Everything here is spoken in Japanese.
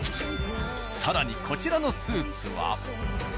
更にこちらのスーツは。